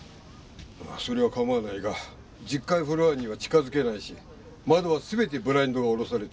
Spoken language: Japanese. それは構わないが１０階フロアには近づけないし窓は全てブラインドが下ろされてる。